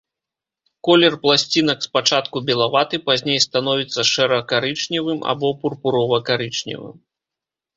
Колер пласцінак спачатку белаваты, пазней становіцца шэра-карычневым або пурпурова-карычневым.